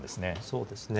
そうですね。